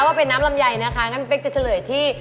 ว่าเป็นน้ำลำไยนะคะก็เจอเสลยที่